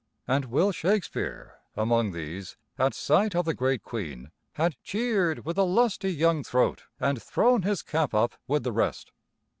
And Will Shakespeare among these, at sight of the great Queen, had cheered with a lusty young throat and thrown his cap up with the rest.